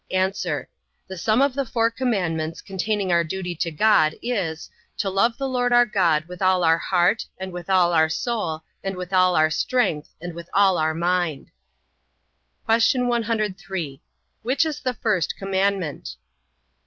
A. The sum of the four commandments containing our duty to God, is, to love the Lord our God with all our heart, and with all our soul, and with all our strength, and with all our mind. Q. 103. Which is the first commandment?